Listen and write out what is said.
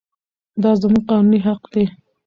دا زموږ قانوني حق دی.